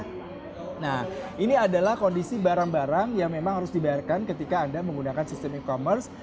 nah ini adalah kondisi barang barang yang memang harus dibayarkan ketika anda menggunakan sistem e commerce